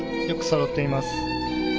よくそろっています。